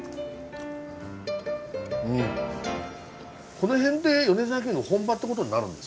この辺って米沢牛の本場って事になるんですか？